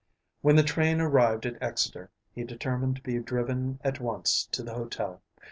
When the train arrived at Exeter he determined to be driven at once to the Hotel.